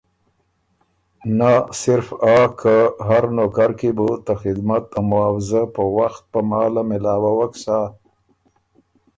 نۀ صرف آ که هر نوکر کی بُو ته خذمت ا معاؤضۀ په وخت په محاله مېلاؤوک سَۀ